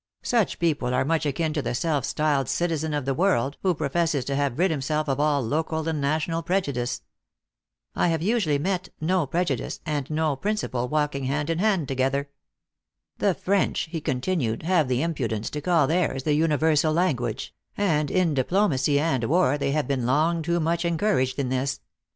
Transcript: Such people are much akin to the self styled citizen of the world, who professes to have rid himself of all local and national prejudice. I have usually met no prejudice and no principle walk ing hand in hand together. The French," he contin ued, " have the impudence to call theirs the universal language ; and in diplomacy and war, they have been long too much encouraged in this.